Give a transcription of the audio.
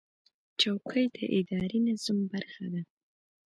چوکۍ د اداري نظم برخه ده.